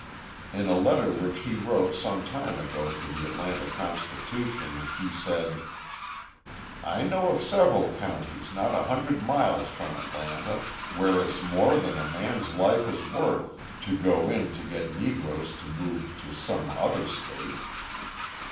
In a letter which he wrote some time ago to the Atlanta Constitution he said: I know of several counties not a hundred miles from Atlanta where it's more than a man's life is worth to go in to get Negroes to move to some other state.